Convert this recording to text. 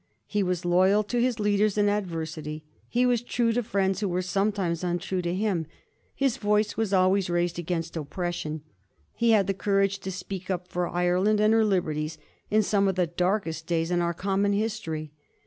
He was loyal to his leaders in adversity ; he was true to friends who were sometimes untrue to him; his voice was always raised against oppression; he had the courage to speak up for Ireland and her liberties in some of the darkest days in our common history.